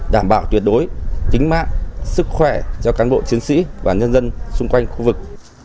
đảm bảo tuyệt đối tính mạng sức khỏe cho cán bộ chiến sĩ và nhân dân xung quanh khu vực